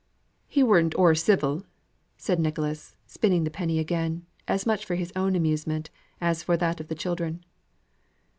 "He weren't o'er civil!" said Nicholas, spinning the penny again, as much for his own amusement as for that of the children.